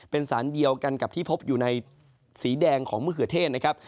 เป็นสารเดียวกันกับที่พบอยู่ในสีแดงของมะเขือเทศนะครับ